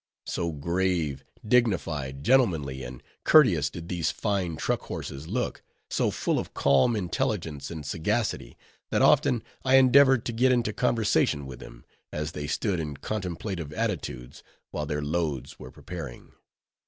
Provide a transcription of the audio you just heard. So grave, dignified, gentlemanly, and courteous did these fine truck horses look—so full of calm intelligence and sagacity, that often I endeavored to get into conversation with them, as they stood in contemplative attitudes while their loads were preparing.